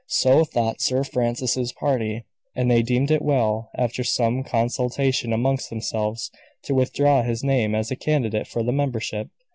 So thought Sir Francis's party. And they deemed it well, after some consultation amongst themselves, to withdraw his name as a candidate for the membership.